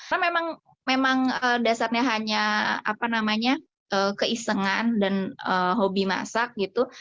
karena memang dasarnya hanya keisengan dan hobi masak gitu